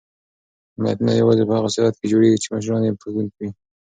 ملتونه یوازې په هغه صورت کې جوړېږي چې مشران یې بښونکي وي.